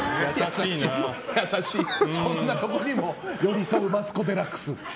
そんなところにも寄り添うマツコ・デラックス。